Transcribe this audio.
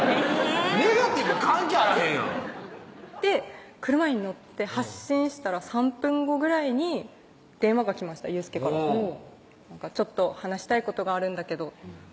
ネガティブ関係あらへんやんで車に乗って発進したら３分後ぐらいに電話が来ました佑輔から「ちょっと話したいことがあるんだけど」